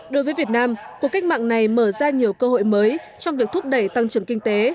đối với việt nam cuộc cách mạng này mở ra nhiều cơ hội mới trong việc thúc đẩy tăng trưởng kinh tế